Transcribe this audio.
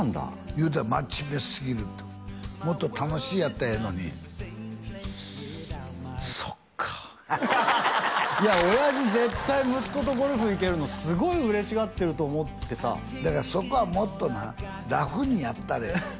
言うてた「真面目すぎる」ってもっと楽しいやったらええのにそっかハハハハいや親父絶対息子とゴルフ行けるのすごい嬉しがってると思ってさだからそこはもっとなラフにやったらええ